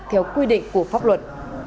theo quy định của pháp luật